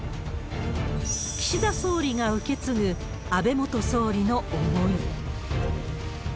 岸田総理が受け継ぐ、安倍元総理の思い。